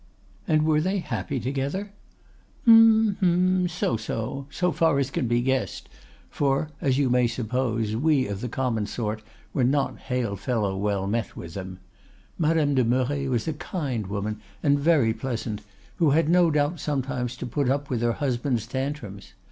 "'And were they happy together?' "'Hm, hm! so so—so far as can be guessed, for, as you may suppose, we of the common sort were not hail fellow well met with them.—Madame de Merret was a kind woman and very pleasant, who had no doubt sometimes to put up with her husband's tantrums.